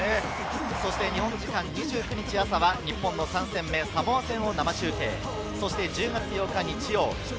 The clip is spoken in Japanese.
日本時間・２９日朝は日本の３戦目、サモア戦を生中継。